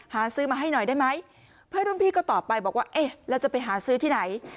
หาซื้อมาให้หน่อยได้ไหมเพื่อนรุ่นพี่ก็ตอบไปบอกว่าเอ๊ะแล้วจะไปหาซื้อที่ไหน